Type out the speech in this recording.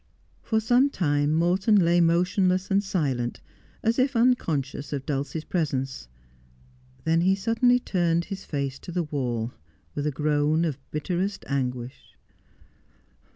For some time Morton lay motionless and silent, as if unconscious of Dulcie's presence. Then he suddenly turned his face to the wall, with a groan of bitterest anguish.